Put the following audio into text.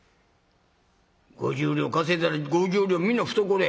５０両稼いだら５０両皆懐や。